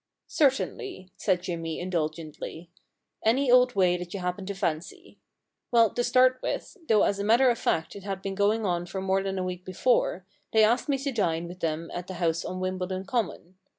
* Certainly,* said Jimmy indulgently, * any old way that you happen to fancy. Well, to start with, though as a matter of fact it had been going on for more than a week before, they asked me to dine with them at the house on Wimbledon Common.